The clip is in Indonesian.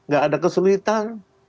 gak ada kesulitan